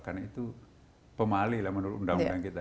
karena itu pemalih lah menurut undang undang kita